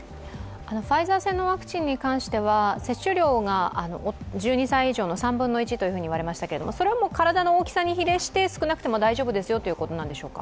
ファイザー製のワクチンについては接種量が３分の１という話もありましたがそれは体の大きさに比例して少なくても大丈夫ですよということなんでしょうか？